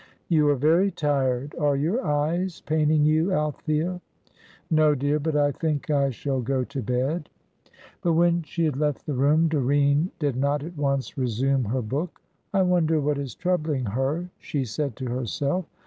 "You are very tired. Are your eyes paining you, Althea?" "No, dear, but I think I shall go to bed." But when she had left the room Doreen did not at once resume her book. "I wonder what is troubling her," she said to herself.